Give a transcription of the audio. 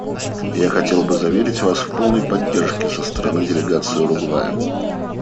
Я хотел бы заверить Вас в полной поддержке со стороны делегации Уругвая.